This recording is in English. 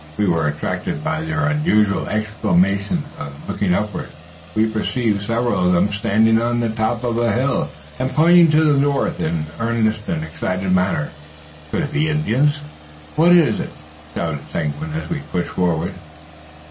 We were attracted by their unusual exclamations. On looking upward, we perceived several of them standing on the top of a hill, and pointing to the north in an earnest and excited manner. Could it be Indians? "What is it?" shouted Seguin, as we pushed forward.